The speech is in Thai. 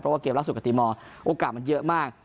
เพราะว่าเกมรักศุกร์กับตีมโอกาสมันเยอะมาก